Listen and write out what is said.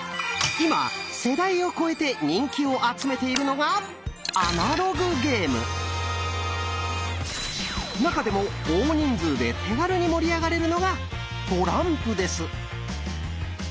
今世代を超えて人気を集めているのが中でも大人数で手軽に盛り上がれるのがトランプです。